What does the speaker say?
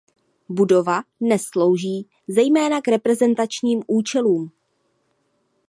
Budova dnes slouží zejména k reprezentačním účelům.